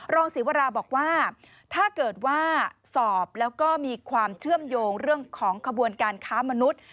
ศรีวราบอกว่าถ้าเกิดว่าสอบแล้วก็มีความเชื่อมโยงเรื่องของขบวนการค้ามนุษย์